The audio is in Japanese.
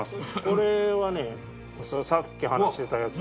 これはねさっき話してたやつ。